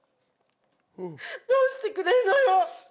どうしてくれるのよ！